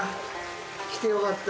来てよかった。